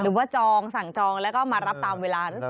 หรือว่าจองสั่งจองแล้วก็มารับตามเวลาหรือเปล่า